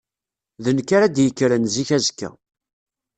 D nekk ara d-yekkren zik azekka.